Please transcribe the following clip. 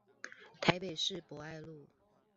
台北市博愛路